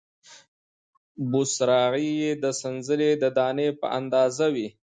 بوسراغې یې د سنځلې د دانې په اندازه وې،